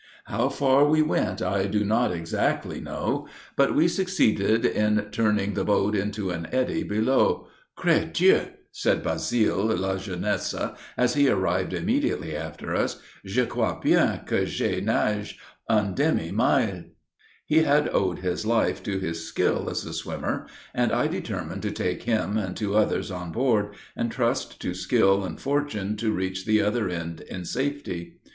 How far we went, I do not exactly know; but we succeeded in turning the boat into an eddy below. "'Cre Dieu," said Bazil Lajeunesse, as he arrived immediately after us, "Je crois bien que j'ai nage un demi mile." He had owed his life to his skill as a swimmer, and I determined to take him and two others on board, and trust to skill and fortune to reach the other end in safety.